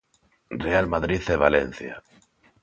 Real Madrid e Valencia.